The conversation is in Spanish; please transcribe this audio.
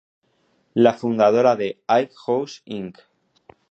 La fundadora de Hay House Inc.